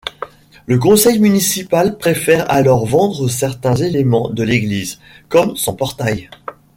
Le conseil municipal préfère alors vendre certains éléments de l'église, comme son portail.